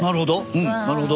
うんなるほど。